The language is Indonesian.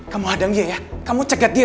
kamu hadang dia ya kamu cegat dia